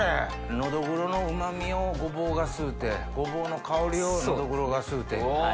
のどぐろのうま味をごぼうが吸うてごぼうの香りをのどぐろが吸うて。